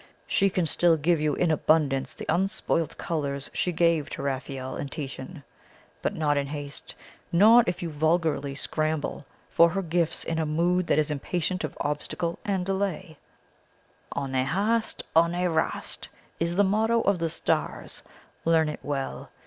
She can still give you in abundance the unspoilt colours she gave to Raphael and Titian; but not in haste not if you vulgarly scramble for her gifts in a mood that is impatient of obstacle and delay. "Ohne hast, ohne rast," is the motto of the stars. Learn it well.